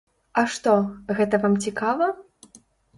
А што, гэта вам цікава?